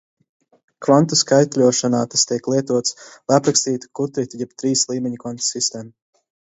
Kvantu skaitļošanā tās tiek lietotas, lai aprakstītu kutritu jeb trīs līmeņu kvantu sistēmu.